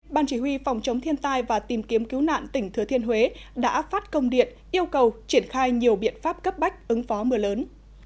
ban chỉ huy phòng chống thiên tai và tìm kiếm cứu nạn tỉnh thừa thiên huế đã phát công điện yêu cầu triển khai nhiều biện pháp cấp bách ứng phó mưa lớn